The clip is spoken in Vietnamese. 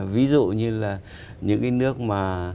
ví dụ như là những cái nước mà